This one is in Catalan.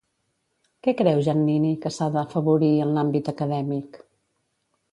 Què creu Giannini que s'ha d'afavorir en l'àmbit acadèmic?